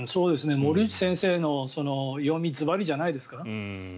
森内先生の読みはずばりじゃないですか？